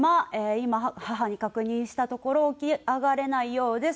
「今母に確認したところ起き上がれないようです」。